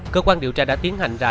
cơ quan điều tra đã tiến hành ra